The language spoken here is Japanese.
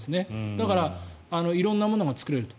だから、色んなものが作れると。